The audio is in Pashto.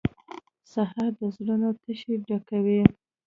سهار د زړونو تشې ډکوي.